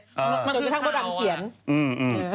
จนกระทั่งมดดำเขียนอืม